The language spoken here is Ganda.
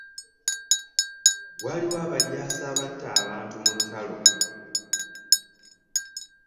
Waliwo abajaasi abatta abantu mu lutalo.